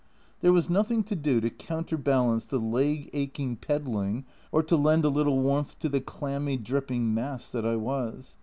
There was nothing to do to counterbalance the leg aching pedalling or to lend a little warmth to the clammy, dripping mass that I was.